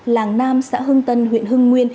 làng nam xã hưng tân huyện hưng nguyên